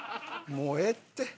もうええって。